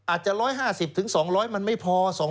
อาจจะ๑๕๐๒๐๐มันไม่พอ